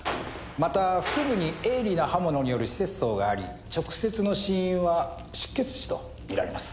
また腹部に鋭利な刃物による刺切創があり直接の死因は失血死と見られます。